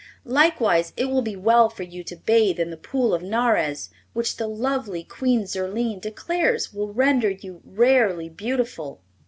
Likewise it will be well for you to bathe in the Pool of Nares, which the lovely Queen Zurline declares will render you rarely beautiful.